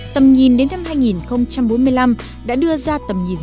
tầm nhìn đến năm hai nghìn bốn mươi năm đã đưa ra tầm nhìn